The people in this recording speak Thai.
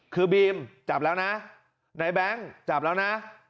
คือบีมจับแล้วนะนายแบงค์จับแล้วนะ